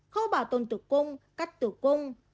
khâu bảo tồn tủ cung cắt tủ cung